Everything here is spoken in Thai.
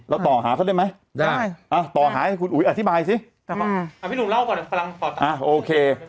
อะโอเค